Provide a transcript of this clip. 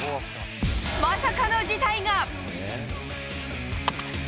まさかの事態が。